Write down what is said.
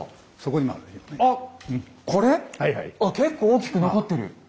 結構大きく残ってる。